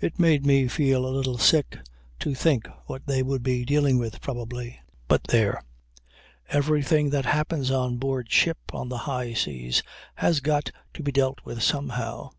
It made me feel a little sick to think what they would be dealing with, probably. But there! Everything that happens on board ship on the high seas has got to be dealt with somehow.